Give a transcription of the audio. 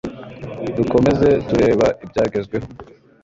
dukomeze tureba ibya gezweho